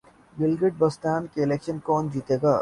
Gilgit Baltistan election کون جیتےگا